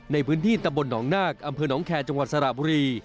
ในพื้นที่ตำบลหนองนาคอำเภอหนองแคร์จังหวัดสระบุรี